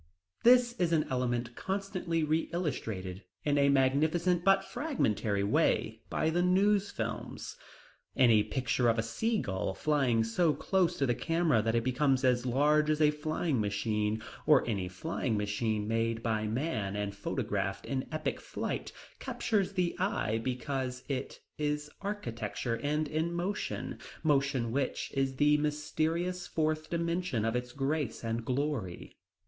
This is an element constantly re illustrated in a magnificent but fragmentary way by the News Films. Any picture of a seagull flying so close to the camera that it becomes as large as a flying machine, or any flying machine made by man and photographed in epic flight captures the eye because it is architecture and in motion, motion which is the mysterious fourth dimension of its grace and glory.